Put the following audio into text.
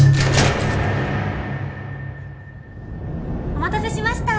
・お待たせしました。